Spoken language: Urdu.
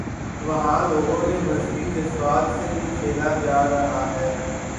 وہاں لوگوں کے مذہبی جذبات سے بھی کھیلاجا رہا ہے۔